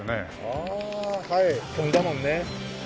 ああはい跳んだもんね。